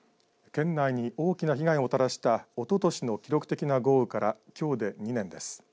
県内に大きな被害をもたらしたおととしの記録的な豪雨からきょうで２年です。